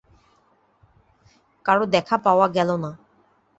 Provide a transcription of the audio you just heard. কারো দেখা পাওয়া গেল না।